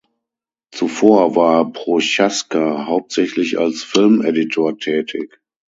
Zuvor war Prochaska hauptsächlich als Filmeditor tätig.